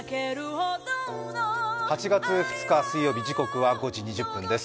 ８月２日水曜日、時刻は５時２０分です。